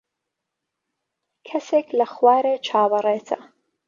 کەسێک لە خوارێ چاوەڕێتە.